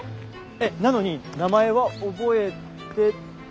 えっなのに名前は覚えて。